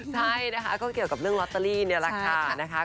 ใช่นะคะก็เกี่ยวกับเรื่องลอตเตอรี่นี่แหละค่ะนะคะ